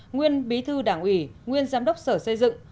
nguyên bí thư đảng ủy nguyên giám đốc sở xây dựng